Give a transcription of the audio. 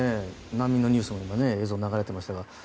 難民のニュースが映像で流れていましたが。